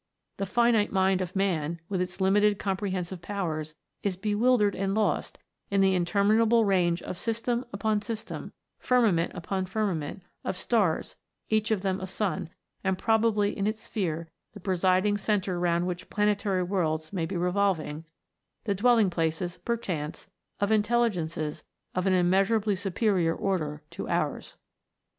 The finite mind of man, with its limited comprehensive powers, is be wildered and lost in the interminable range of system upon system, firmament upon firmament, of stars, each of them a sun, and probably in its sphere the presiding centre round which planetary worlds may be revolving, the dwelling places, perchance, of intel ligences of an immeasurably superior order to ours.